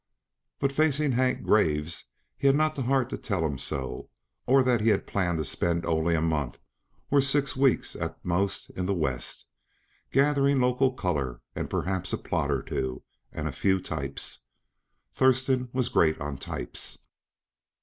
But facing Hank Graves, he had not the heart to tell him so, or that he had planned to spend only a month or six weeks at most in the West, gathering local color and perhaps a plot or two? and a few types. Thurston was great on types.